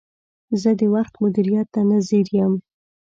زه د وخت مدیریت ته نه ځیر یم.